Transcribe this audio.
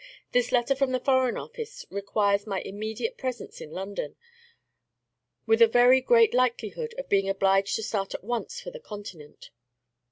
This letter from the Foreign Office requires my immediate presence in London, with a very great likelihood of being obliged to start at once for the Continent."